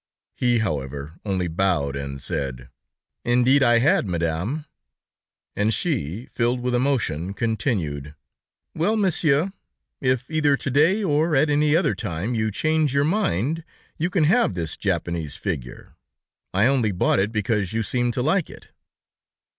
He, however, only bowed, and said: "Indeed, I had, Madame." And she, filled with emotion, continued: "Well, Monsieur, if either to day, or at any other time, you change your mind, you can have this Japanese figure. I only bought it because you seemed to like it."